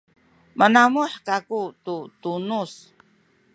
manamuh kaku tu tunuz